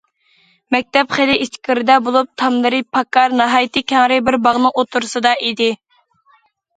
مەكتەپ خېلى ئىچكىرىدە بولۇپ، تاملىرى پاكار، ناھايىتى كەڭرى بىر باغنىڭ ئوتتۇرىسىدا ئىدى.